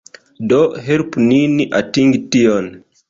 Do helpu nin atingi tion